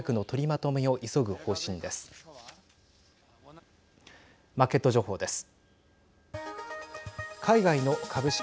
マーケット情報です。